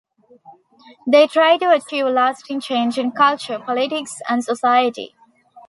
They try to achieve lasting change in culture, politics and society.